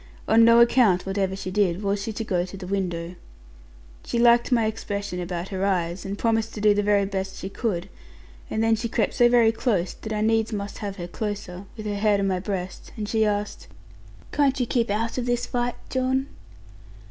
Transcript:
On no account, whatever she did, was she to go to the window. She liked my expression about her eyes, and promised to do the very best she could and then she crept so very close, that I needs must have her closer; and with her head on my breast she asked, 'Can't you keep out of this fight, John?'